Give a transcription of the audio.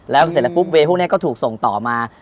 แล้วเสร็จแล้วปุ๊บเวย์พวกนี้ก็ถูกส่งต่อมา